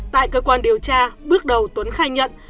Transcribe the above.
tại cơ quan điều tra bước đầu tuấn khai nhận